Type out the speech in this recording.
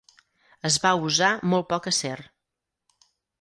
Es va usar molt poc acer.